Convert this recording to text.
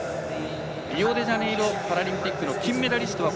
リオデジャネイロパラリンピックの金メダリスト。